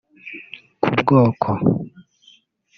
ku bwoko